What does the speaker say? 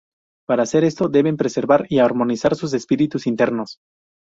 Para hacer esto, deben preservar y armonizar sus espíritus internos.